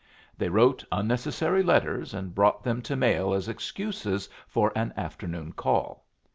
They wrote unnecessary letters, and brought them to mail as excuses for an afternoon call.